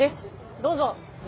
どうぞ！